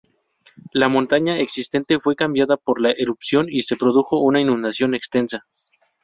La montaña existente fue cambiada por la erupción, y se produjo una inundación extensa.